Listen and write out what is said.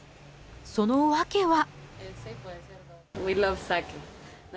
その訳は。